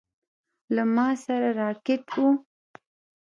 له ما سره راکټ و.